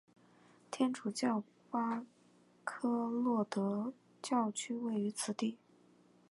天主教巴科洛德教区位于此地。